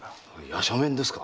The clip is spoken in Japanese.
夜叉面ですか？